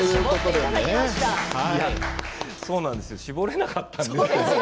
そうなんです絞れなかったんです。